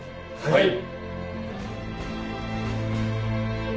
はい！